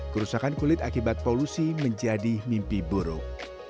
kerusakan kulit akibat polusi menjadi mimpi buruk